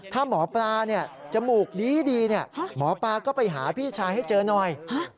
ถ้าหมอปลาจมูกดีหมอปลาก็ไปหาพี่ชายให้เจอหน่อย